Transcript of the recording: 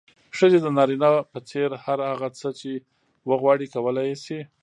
ښځې د نارينه په څېر هر هغه څه چې وغواړي، کولی يې شي.